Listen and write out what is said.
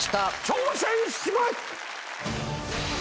挑戦します！